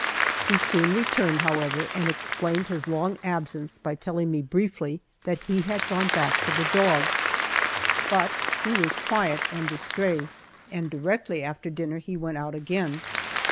He soon returned, however, and explained his long absence by telling me briefly that he had gone back for the dog. But he was quiet and distrait, and directly after dinner he went out again.